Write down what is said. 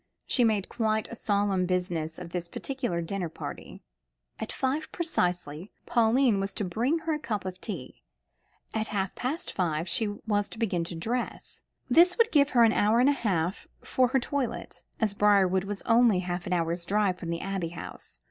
She made quite a solemn business of this particular dinner party. At five precisely, Pauline was to bring her a cup of tea. At half past five she was to begin to dress. This would give her an hour and a half for her toilet, as Briarwood was only half an hour's drive from the Abbey House.